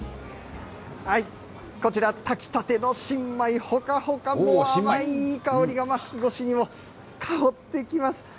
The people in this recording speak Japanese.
こちら、炊きたての新米、ほかほか、もう甘いいい香りがマスク越しにも香ってきます。